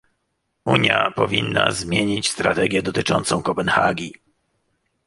Unia powinna zmienić strategię dotyczącą Kopenhagi